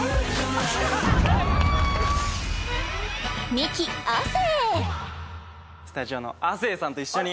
ミキ亜生